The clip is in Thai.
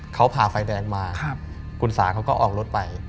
เขาผ่าไฟแดงมาคุณสาเขาก็ออกรถไป